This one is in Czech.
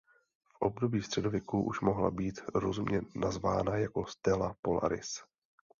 V období středověku už mohla být rozumně nazvána jako "stella polaris".